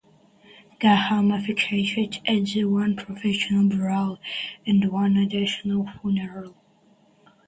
Graham officiated at one presidential burial and one presidential funeral.